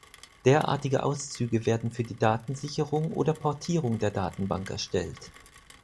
Derartige Auszüge werden für die Datensicherung oder Portierung der Datenbank erstellt.